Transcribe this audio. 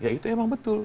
ya itu emang betul